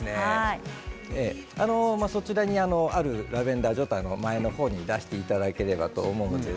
そちらにあるラベンダー前の方に出していただければと思います。